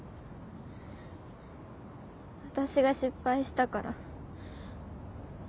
私が失敗したから